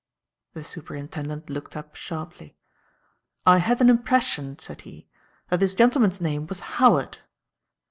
The Superintendent looked up sharply. "I had an impression," said he, "that this gentleman's name was Howard."